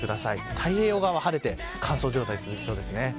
太平洋側は晴れて乾燥状態が続きそうです。